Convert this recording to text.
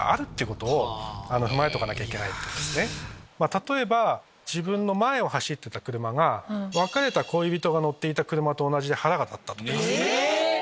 例えば自分の前を走ってた車が別れた恋人が乗っていた車と同じで腹が立ったとか。